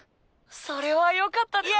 それは良かったで。